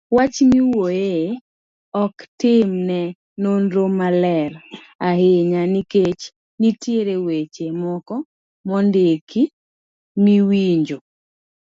Wach miwuoyoe ok tim ne nonro maler ahinya nikech nitie weche moko mondiki miwinjo